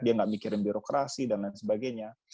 dia nggak mikirin birokrasi dan lain sebagainya